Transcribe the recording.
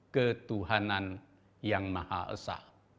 ketuhanan yang maha esa